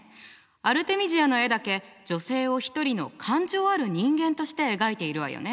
アルテミジアの絵だけ女性を一人の感情ある人間として描いているわよね。